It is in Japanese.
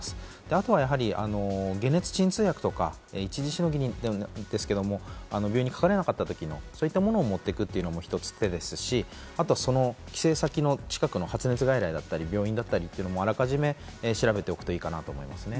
あとは解熱鎮痛薬とか一時しのぎですけれども病院にかかれなかった時のものを持っていくというのも一つ手ですし、あと帰省先の近くの発熱外来や病院はあらかじめ調べておくのもいいかなと思いますね。